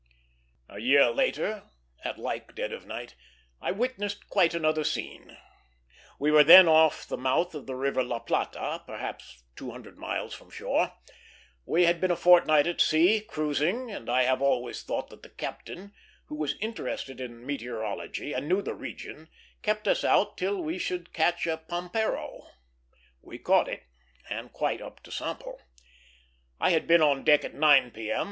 A year later, at like dead of night, I witnessed quite another scene. We were then off the mouth of the river La Plata, perhaps two hundred miles from shore. We had been a fortnight at sea, cruising; and I have always thought that the captain, who was interested in meteorology and knew the region, kept us out till we should catch a pampero. We caught it, and quite up to sample. I had been on deck at 9 P.M.